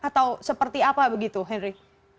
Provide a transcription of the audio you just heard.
atau seperti apa begitu henry